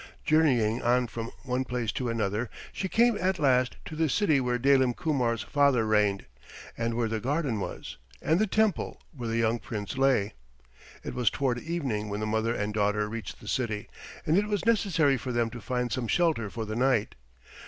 Journeying on from one place to another, she came at last to the city where Dalim Kumar's father reigned, and where the garden was, and the temple where the young prince lay. It was toward evening when the mother and daughter reached the city, and it was necessary for them to find some shelter for the night.